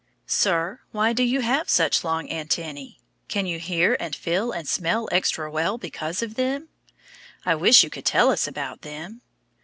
Sir, why do you have such long antennæ? Can you hear and feel and smell extra well because of them? I wish you could tell us about them.